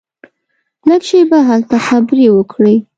لږه شېبه هلته خبرې وکړې.